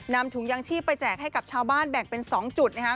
นำถุงยางชีพไปแจกให้กับชาวบ้านแบ่งเป็น๒จุด